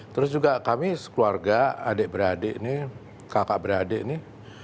terus juga kami sekeluarga adik beradik nih kakak beradik nih